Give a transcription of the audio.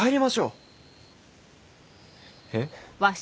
えっ？